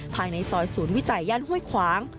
ภายในซอยศูนย์วิจัยย่านห้วยขวาง